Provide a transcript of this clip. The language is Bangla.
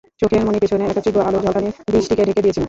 চোখের মণির পিছনে একটা তীব্র আলোর ঝলকানি দৃষ্টিকে ঢেকে দিয়েছিল।